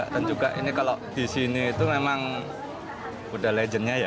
dan juga ini kalau disini tuh memang udah legendnya ya